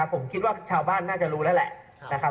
ผมคิดว่าชาวบ้านน่าจะรู้แล้วแหละนะครับ